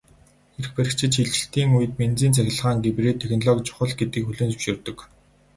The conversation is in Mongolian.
Эрх баригчид шилжилтийн үед бензин-цахилгаан гибрид технологи чухал гэдгийг хүлээн зөвшөөрдөг.